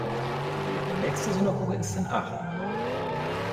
Die nächste Synagoge ist in Aachen.